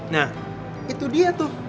nah itu dia tuh